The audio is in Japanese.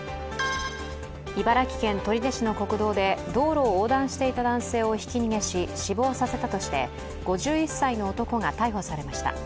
茨城県取手市の国道で道路を横断していた男性をひき逃げし、死亡させたとして５１歳の男が逮捕されました。